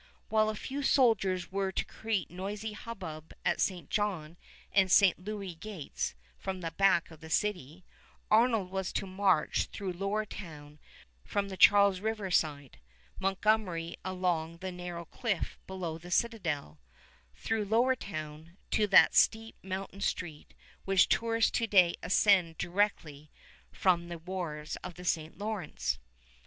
While a few soldiers were to create noisy hubbub at St. John and St. Louis gates from the back of the city, Arnold was to march through Lower Town from the Charles River side, Montgomery along the narrow cliff below the Citadel, through Lower Town, to that steep Mountain Street which tourists to day ascend directly from the wharves of the St. Lawrence.